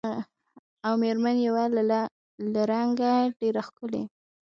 او مېر من یې وه له رنګه ډېره ښکلې